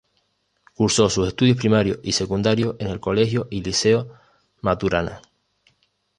Cursó sus estudios primarios y secundarios en el Colegio y Liceo Maturana.